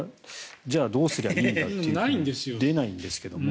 じゃあ、どうすりゃいいんだって出ないんですけども。